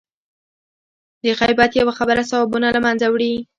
د غیبت یوه خبره ثوابونه له منځه وړي.